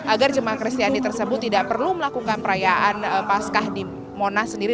agar jemaah kristiani tersebut tidak perlu melakukan perayaan pascah di monas sendiri